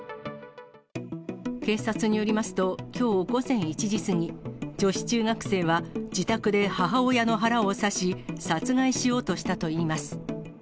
警察によりますと、きょう午前１時過ぎ、女子中学生は自宅で母親の腹を刺し、殺害しようとしたといいます。